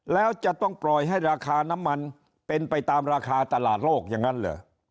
แล้วจะต้องปล่อยให้ราคาน้ำมันเป็นไปตามราคาตลาดโลกอย่างนั้นเหรอ